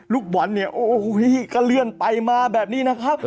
ลูกบอลเนี่ยโอ้โหก็เลื่อนไปมาแบบนี้นะครับ